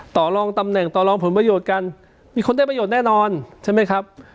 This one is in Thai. ต่อลองตำแหน่งต่อรองผลประโยชน์กันมีคนได้ประโยชน์แน่นอนใช่ไหมครับ